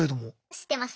知ってます。